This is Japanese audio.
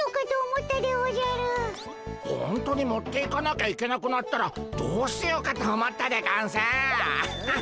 ほんとに持っていかなきゃいけなくなったらどうしようかと思ったでゴンス。